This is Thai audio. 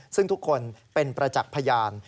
ซึ่งทุกคนเป็นประจักษ์พยาน